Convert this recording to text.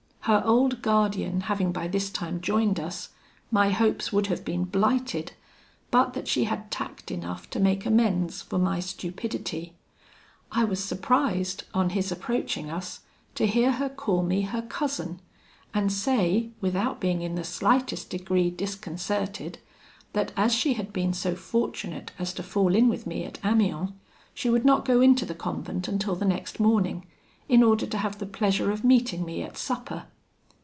Her old guardian having by this time joined us, my hopes would have been blighted, but that she had tact enough to make amends for my stupidity. I was surprised, on his approaching us, to hear her call me her cousin, and say, without being in the slightest degree disconcerted, that as she had been so fortunate as to fall in with me at Amiens, she would not go into the convent until the next morning, in order to have the pleasure of meeting me at supper.